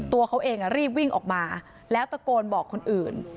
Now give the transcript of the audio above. ตัวเขาเองรีบวิ่งออกมาแล้วตะโกนบอกคนอื่น